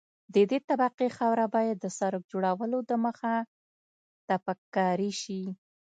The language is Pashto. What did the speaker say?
د دې طبقې خاوره باید د سرک جوړولو دمخه تپک کاري شي